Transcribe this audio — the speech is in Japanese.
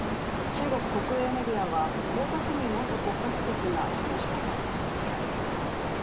中国国営メディアは江沢民元国家主席が死去したと伝えました。